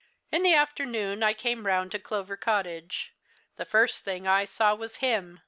"In the afternoon I came round to Clover Cottage. The first thing I saw was him."